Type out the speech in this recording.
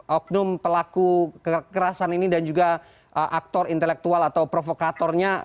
oknum pelaku kekerasan ini dan juga aktor intelektual atau provokatornya